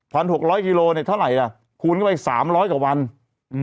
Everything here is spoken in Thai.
หกร้อยกิโลเนี้ยเท่าไหร่ล่ะคูณเข้าไปสามร้อยกว่าวันอืม